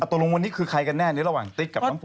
ตกลงวันนี้คือใครกันแน่ในระหว่างติ๊กกับน้องปอ